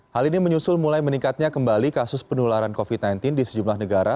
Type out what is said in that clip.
hal ini menyusul mulai meningkatnya kembali kasus penularan covid sembilan belas di sejumlah negara